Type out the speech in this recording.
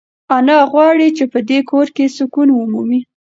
انا غواړي چې په دې کور کې سکون ومومي.